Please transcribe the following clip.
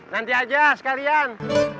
nanti aja sekalian